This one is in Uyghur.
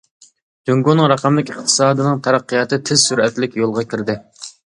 جۇڭگونىڭ رەقەملىك ئىقتىسادىنىڭ تەرەققىياتى تېز سۈرئەتلىك يولغا كىردى.